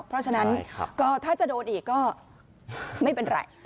เพราะฉะนั้นก็ถ้าจะโดนอีกก็ไม่เป็นไร